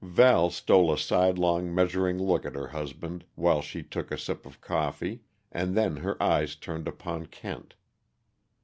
Val stole a sidelong, measuring look at her husband while she took a sip of coffee, and then her eyes turned upon Kent.